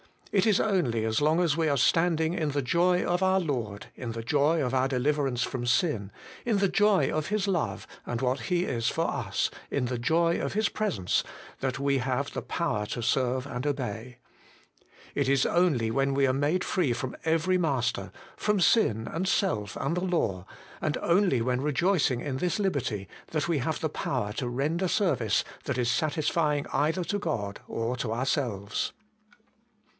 It is only as long as we are standing in the joy of our Lord, in the joy of our deliverance from sin, in the joy of His love, and what He is for us, in the joy of His presence, that we have the power to serve and obey. It is only when made free from every master, from sin and self and the law, and only when rejoicing in this liberty, that we have the power to render service that is satisfying either to God or to ourselves.